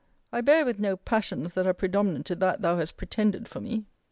I bear with no passions that are predominant to that thou has pretended for me!'